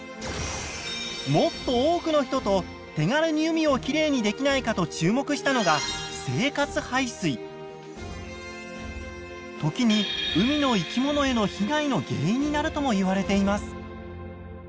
もっと多くの人と手軽に海をきれいにできないかと注目したのが時に海の生き物への被害の原因になるとも言われています。